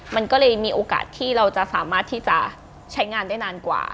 มันก็เลยมีโอกาสที่เราจะสามารถที่จะใช้งานได้นานกว่า